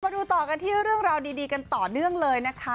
มาดูต่อกันที่เรื่องราวดีกันต่อเนื่องเลยนะคะ